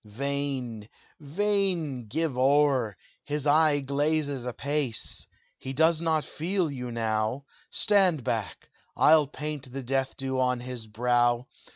"Vain vain give o'er! His eye Glazes apace. He does not feel you now Stand back! I'll paint the death dew on his brow!